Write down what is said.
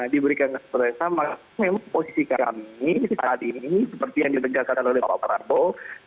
diberikan ke setelah itu makanya memang posisi kami saat ini seperti yang ditegakkan oleh pak prabowo